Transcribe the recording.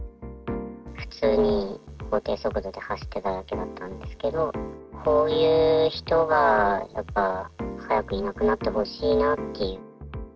普通に法定速度で走ってただけだったんですけど、こういう人がやっぱ早くいなくなってほしいなっていう。